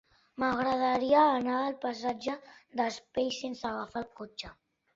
M'agradaria anar al passatge d'Espiell sense agafar el cotxe.